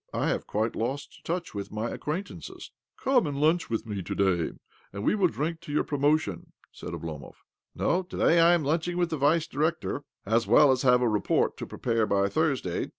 I have quite lost touch with my acquaintances." " Come and lunch with me to day, and we will drink to your promotion," said Oblomov. " No, to day I am lunching with the Vice Director, as well as have a report to pre pare by Thursday.